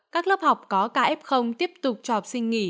các lớp học có kf tiếp tục cho học sinh nghỉ